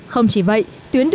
không chỉ vậy